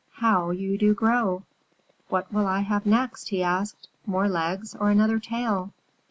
"How you do grow!" "What will I have next?" he asked, "more legs or another tail?"